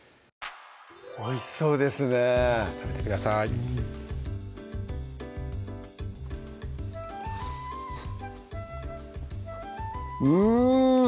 おいしそうですね食べてくださいうん！